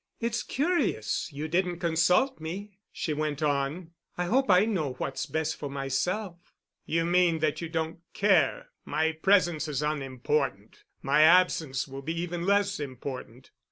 "It's curious you didn't consult me," she went on. "I hope I know what's best for myself——" "You mean that you don't care—my presence is unimportant. My absence will be even less important."